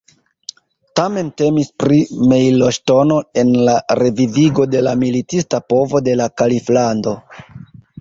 Tamen temis pri mejloŝtono en la revivigo de la militista povo de la kaliflando.